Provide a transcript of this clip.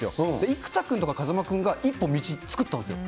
生田君とか風間君が一本道作ったんですよ。